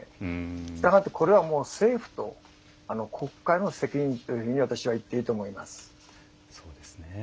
したがってこれはもう政府と国会の責任というふうに私は言っていいと思います。